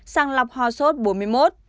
sàng lọc hò sốt bốn mươi một